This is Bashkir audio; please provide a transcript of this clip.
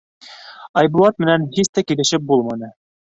Айбулат менән һис тә килешеп булманы.